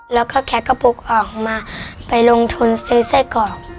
แล้วก็แคกระปุกออกมาไปลงทุนซื้อไส้กรอก